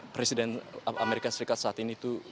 presiden amerika serikat saat ini itu